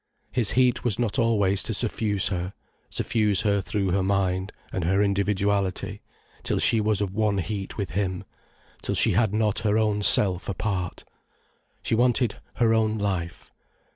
His heat was not always to suffuse her, suffuse her, through her mind and her individuality, till she was of one heat with him, till she had not her own self apart. She wanted her own life.